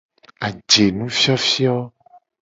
Ajenufiofio.